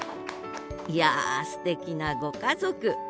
いやすてきなご家族！